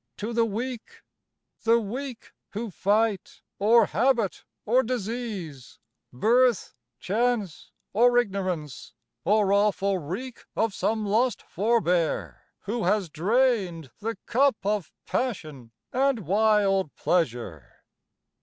To the Weak! The Weak who fight : or habit or disease, Birth, chance, or ignorance — or awful wreak Of some lost forbear, who has drained the cup Of pagsion and wild pleasure